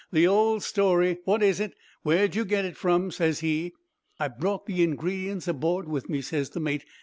The old story. What is it? Where'd you get it from?' ses he. "'I brought the ingredients aboard with me,' ses the mate.